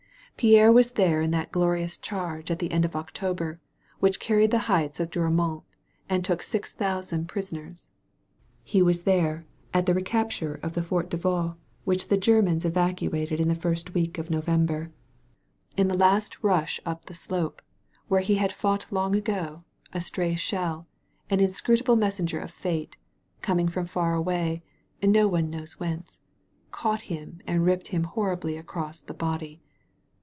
Pierre was there in that glorious charge at the «nd of October which carried the heights of Douau mont and took six thousand prisoners. He was there at the recapture of the Fort de Vaux which 134 THE MAID OF FRANCE the Germans evacuated in the first week of No vember. In the last rush up the slope, where he had fought long ago, a stray shell, an inscrutable messenger of fate, coming from far away, no one knows whence, caught him and ripped him horribly across the body.